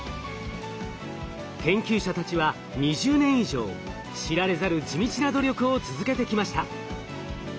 研究者たちは２０年以上知られざる地道な努力を続けてきました。